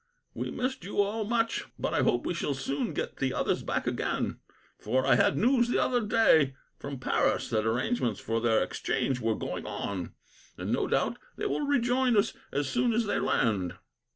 We missed you all much; but I hope we shall soon get the others back again, for I had news the other day, from Paris, that arrangements for their exchange were going on, and no doubt they will rejoin as soon as they land.